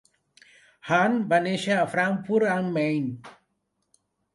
Hahn va néixer a Frankfurt am Main.